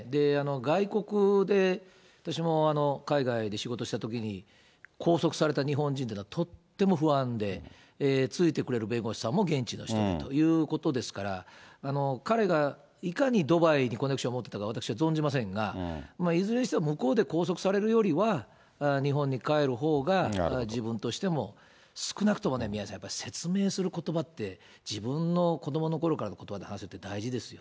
外国で私も海外で仕事したときに、拘束された日本人っていうのは、とっても不安で、ついてくれる弁護士さんも現地の人だということですから、彼がいかにドバイにコネクション持ってたか私は存じませんが、いずれにしても向こうで拘束されるよりは、日本に帰るほうが自分としても、少なくともね、宮根さん、説明することばって、自分の子どものころからのことばで話せるって大事ですよ。